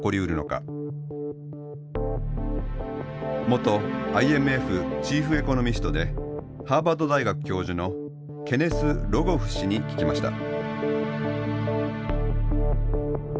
元ＩＭＦチーフエコノミストでハーバード大学教授のケネス・ロゴフ氏に聞きました。